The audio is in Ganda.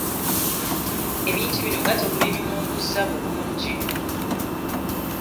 Ebintu bino nga temubiyumunguzza bulungi.